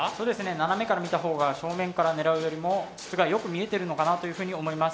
斜めから見たほうが正面から狙うよりも筒がよく見えてるのかなというふうに思います。